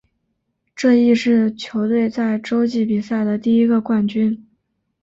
这亦是球队在洲际比赛的第一个冠军。